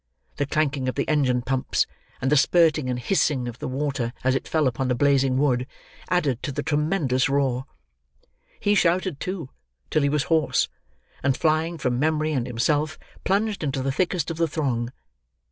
The clanking of the engine pumps, and the spirting and hissing of the water as it fell upon the blazing wood, added to the tremendous roar. He shouted, too, till he was hoarse; and flying from memory and himself, plunged into the thickest of the throng.